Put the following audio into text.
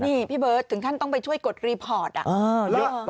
นี่พี่เบิร์ตถึงขั้นต้องไปช่วยกดรีพอร์ตอ่ะ